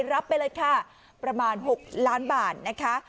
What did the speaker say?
รับไปเลยค่ะประมาณ๖ล้านบาทนะคะ